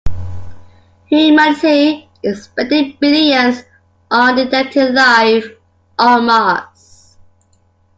Humanity is spending billions on detecting life on Mars.